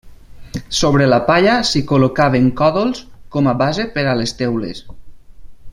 Sobre la palla s'hi col·locaven còdols com a base per a les teules.